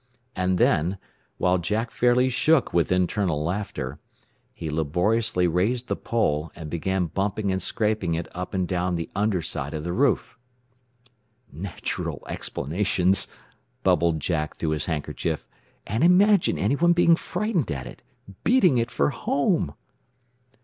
And then, while Jack fairly shook with internal laughter, he laboriously raised the pole, and began bumping and scraping it up and down the under side of the roof. "Natural explanations!" bubbled Jack through his handkerchief. "And imagine anyone being frightened at it beating it for home!"